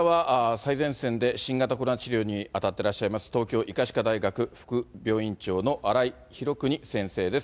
最前線で新型コロナ治療に当たってらっしゃいます、東京医科歯科大学副病院長の荒井裕国先生です。